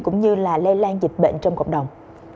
cũng như lây lan dịch bệnh trong cộng đồng